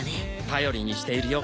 頼りにしているよ